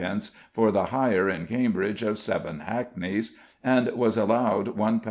for the hire in Cambridge of seven hackneys, and was allowed £1. 9s.